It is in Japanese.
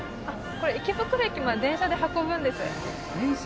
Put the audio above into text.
これ池袋駅まで電車で運ぶんです電車？